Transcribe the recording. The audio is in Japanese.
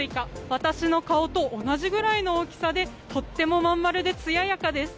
私の顔と同じぐらいの大きさでとっても真ん丸でつややかです。